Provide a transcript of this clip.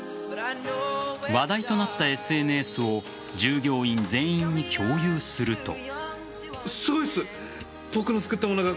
話題となったＳＮＳを従業員全員に共有すると。